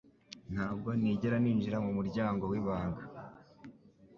Ntabwo nigera ninjira mumuryango wibanga.